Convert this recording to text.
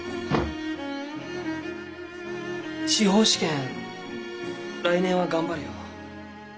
司法試験来年は頑張れよ。